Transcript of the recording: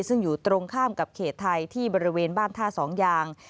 ซึ่งอยู่ตรงข้ามกับเขตไทยที่บริเวณบ้านท่าสองยาง